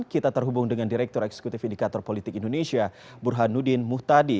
kita terhubung dengan direktur eksekutif indikator politik indonesia burhanuddin muhtadi